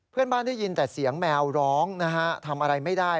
เพื่อนบ้านได้ยินแต่เสียงแมวร้องทำอะไรไม่ได้